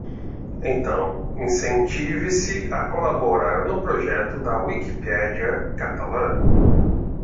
Então, incentive-se a colaborar no projeto da Wikipédia catalã.